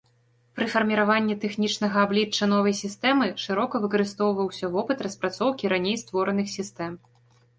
Пры фарміраванні тэхнічнага аблічча новай сістэмы шырока выкарыстоўваўся вопыт распрацоўкі раней створаных сістэм.